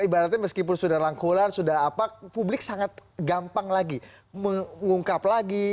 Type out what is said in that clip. ibaratnya meskipun sudah langkulan sudah apa publik sangat gampang lagi mengungkap lagi